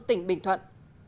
tỉnh bình thuận